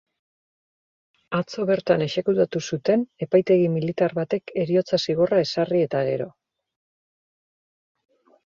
Atzo bertan exekutatu zuten, epaitegi militar batek heriotza zigorra ezarri eta gero.